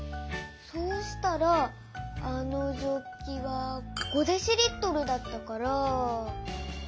そうしたらあのジョッキは５ｄＬだったから。